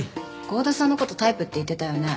郷田さんの事タイプって言ってたよね？